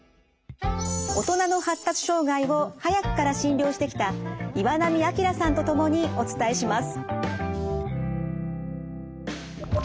大人の発達障害を早くから診療してきた岩波明さんと共にお伝えします。